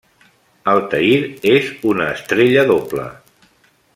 Altair és una estrella doble.